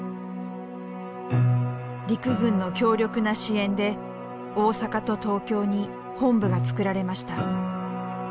陸軍の強力な支援で大阪と東京に本部がつくられました。